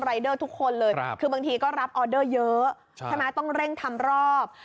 เดอร์ทุกคนเลยคือบางทีก็รับออเดอร์เยอะใช่ไหมต้องเร่งทำรอบ